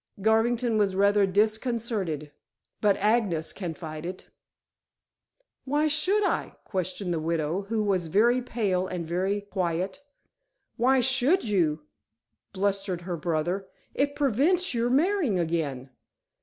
Garvington was rather disconcerted. "But Agnes can fight it." "Why should I?" questioned the widow, who was very pale and very quiet. "Why should you?" blustered her brother. "It prevents your marrying again."